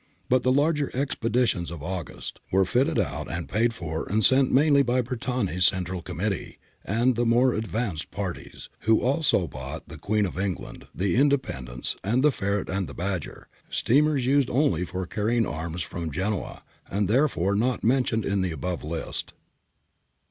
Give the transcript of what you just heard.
But the expeditions of Aiigust [of Pianciani and Nicotera) were fitted out, paid for and sent mainly by Bertani's Central Com mittee and the more advanced parties, who also bought the Queen of England, the Independence, the Ferret and the Badger, steamers used only for carrying arms from Genoa, and therefore not mentioned in above list.